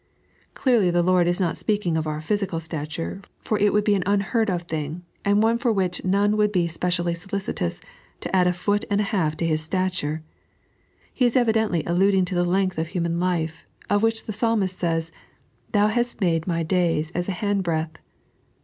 Clearly the Lord is not speaking of our physical stature, for it would be an unheard of thing, and one for which none would be specially solicitous, to add a foot and a half to his stature > He is evidently alluding to the length of human life, of which the Psalmist says :" Thou hast made my days as an handbreadth."